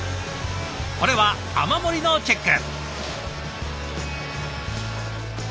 これは雨漏りのチェック。